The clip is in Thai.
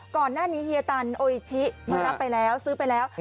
ก่อนหน้านี้เฮียตันโออิชิมารับไปแล้วซื้อไปแล้ว